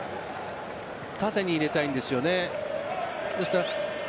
縦に入れたいんですよ。